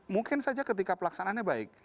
mungkin saja ketika pelaksanaannya baik